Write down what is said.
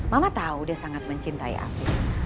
mama tau dia sangat mencintai afif